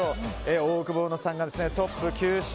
オオクボーノさんがトップ、９勝。